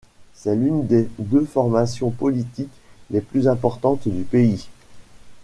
C'est l'une des deux formations politiques les plus importantes du pays.